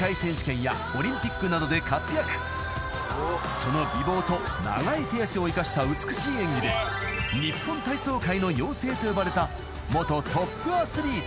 ［その美貌と長い手足を生かした美しい演技で日本体操界の妖精と呼ばれた元トップアスリート］